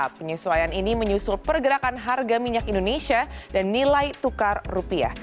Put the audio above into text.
penyesuaian ini menyusul pergerakan harga minyak indonesia dan nilai tukar rupiah